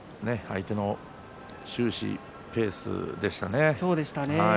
相手の終始、ペースでしたね。